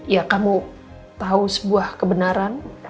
ya kamu tahu sebuah kebenaran